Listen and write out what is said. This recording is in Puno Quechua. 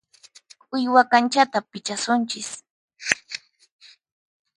Uywa kanchata pichasunchis.